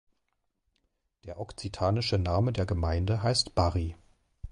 Der okzitanische Name der Gemeinde heißt Barri.